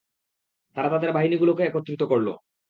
তারা তাদের বাহিনীগুলোকে একত্রিত করল।